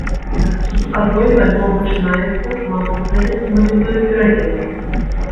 З адной альбом пачынаецца, мабыць, гэта сімвалізуе пераемнасць.